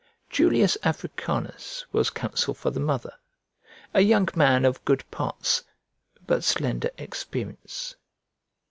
Julius Africanus was counsel for the mother, a young man of good parts, but slender experience.